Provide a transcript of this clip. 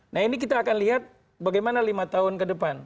nah ini kita akan lihat bagaimana lima tahun ke depan